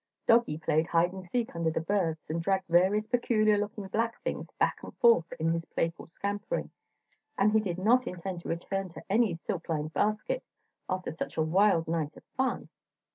Doggie played hide and seek under the berths and dragged various peculiar looking black things back and forth in his playful scampering and he did not intend to return to any silk lined basket after such a wild night of fun!